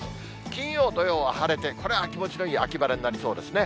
金曜、土曜は晴れてこれは気持ちのいい秋晴れになりそうですね。